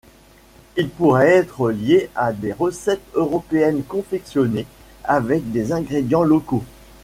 Il pourrait être lié à des recettes européennes confectionnées avec des ingrédients locaux.